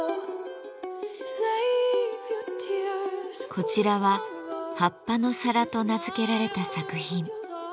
こちらは「葉っぱの皿」と名付けられた作品。